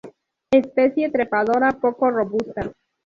Especie trepadora poco robusta.